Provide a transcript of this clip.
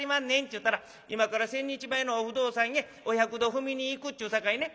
ちゅうたら『今から千日前のお不動さんへお百度踏みに行く』ちゅうさかいね